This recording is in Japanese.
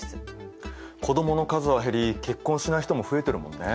子どもの数は減り結婚しない人も増えてるもんね。